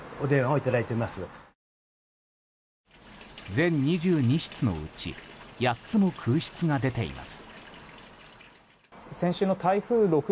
全２２室のうち８つも空室が出ています。